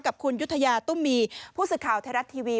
กับคุณยุธยาตุ้มมีผู้สื่อข่าวไทยรัฐทีวี